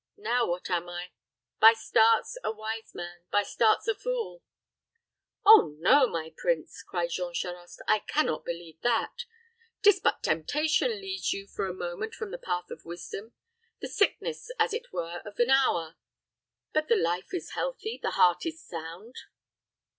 Now, what am I? By starts a wise man, by starts a fool." "Oh no, my prince," cried Jean Charost, "I can not believe that. 'Tis but temptation leads you for a moment from the path of wisdom; the sickness, as it were, of an hour. But the life is healthy; the heart is sound."